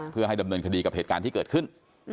เพื่อให้ดำเนินคดีกับเหตุการณ์ที่เกิดขึ้น